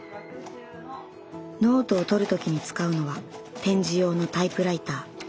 ノートをとる時に使うのは点字用のタイプライター。